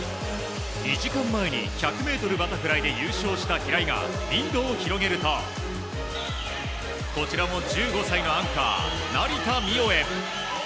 ２時間前に１００ｍバタフライで優勝した平井がリードを広げるとこちらも１５歳のアンカー成田実生へ。